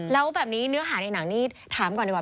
แล้วแบบนี้เนื้อหาในหนังนี่ถามก่อนดีกว่า